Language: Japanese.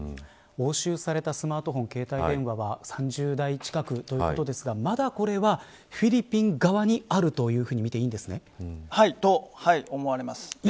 押収されたスマートフォン携帯電話は３０台近くということですがまだ、これはフィリピン側にはい、と思われます。